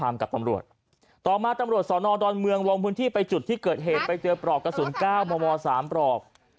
ต่อมาตำรวจสอนอดอนเมืองลงพื้นที่ไปจุดที่เกิดเหตุไปเจอปลอกกระสุน๙มม๓ปลอก